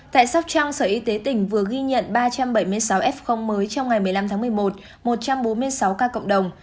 tại sóc trăng sở y tế tỉnh vừa ghi nhận ba trăm bảy mươi sáu f mới trong ngày một mươi năm tháng một mươi một một trăm bốn mươi sáu ca cộng đồng